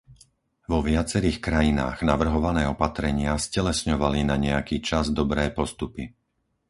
Vo viacerých krajinách navrhované opatrenia stelesňovali na nejaký čas dobré postupy.